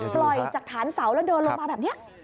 ปล่อยจากฐานเสาแล้วเดินลงมาแบบนี้